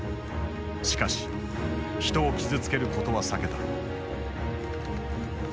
しかし人を傷つけることは避けた。